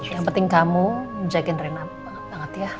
yang penting kamu jagain rina banget banget ya